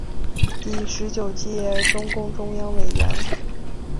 第十九届中共中央委员。